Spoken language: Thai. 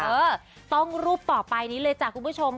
เออต้องรูปต่อไปนี้เลยจ้ะคุณผู้ชม